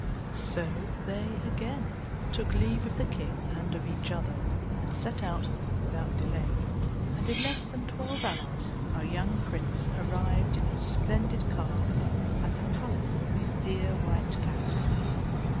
So they again took leave of the king and of each other, and set out without delay, and in less than twelve hours our young prince arrived in his splendid car at the palace of his dear white cat.